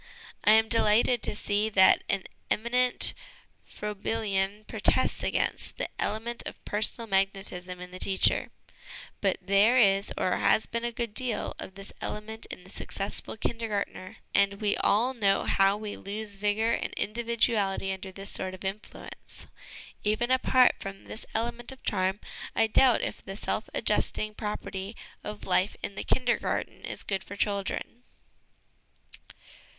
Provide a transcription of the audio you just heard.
I am delighted to see that an eminent Frobelian protests against the element of personal magnetism in the teacher ; but LESSONS AS INSTRUMENTS OF EDUCATION 189 there is, or has been, a good deal of this element in the successful Kindergartner, and we all know how we lose vigour and individuality under this sort of influence. Even apart from this element of charm, I doubt if the self adjusting property of life in the Kindergarten is good for children.